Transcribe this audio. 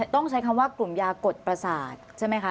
ต้องใช้คำว่ากลุ่มยากดประสาทใช่ไหมคะ